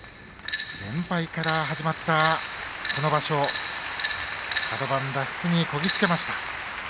連敗から始まったこの場所カド番脱出にこぎつけました。